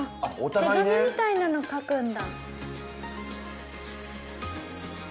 手紙みたいなの書くんだ。